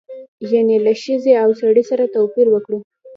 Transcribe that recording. یعنې له ښځې او سړي سره توپیر وکړو.